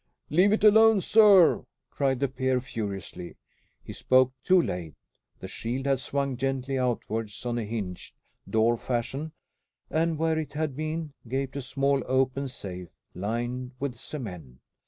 "Leave it alone, sir!" cried the peer furiously. He spoke too late. The shield had swung gently outwards on a hinge, door fashion, and where it had been, gaped a small open safe lined with cement.